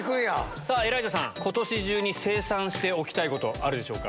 さあ、エライザさん、ことし中に清算しておきたいこと、あるでしょうか。